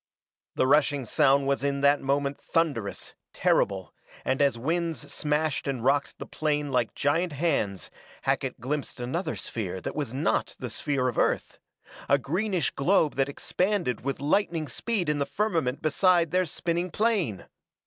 The rushing sound was in that moment thunderous, terrible, and as winds smashed and rocked the plane like giant hands, Hackett glimpsed another sphere that was not the sphere of Earth, a greenish globe that expanded with lightning speed in the firmament beside their spinning plane!